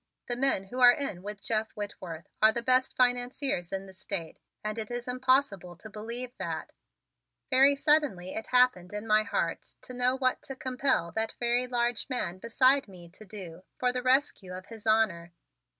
The men who are in with Jeff Whitworth are the best financiers in the State and it is impossible to believe that " Very suddenly it happened in my heart to know what to compel that very large man beside me to do for the rescue of his honor.